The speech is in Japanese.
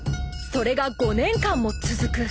［それが５年間も続く］